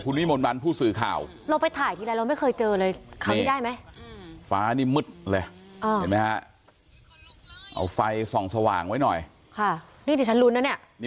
ดิไม่เอาไฟส่องสว่างไว้หน่อย